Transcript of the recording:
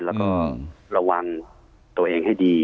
และระวังตัวเองให้ดี